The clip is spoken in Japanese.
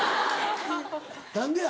何でや？